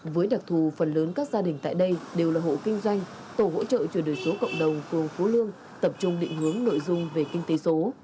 với đặc thù phần lớn các gia đình tại đây đều là hộ kinh doanh tổ hỗ trợ chuyển đổi số cộng đồng phố phú lương tập trung định hướng nội dung về kinh tế số